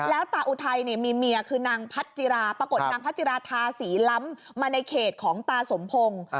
แล้วตาอุทัยมีเมียคือนางพัจจิราปรากฏนางพัจิราธาศรีล้ำมาในเขตของตาสมพงศ์